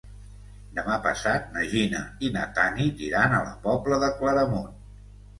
Demà passat na Gina i na Tanit iran a la Pobla de Claramunt.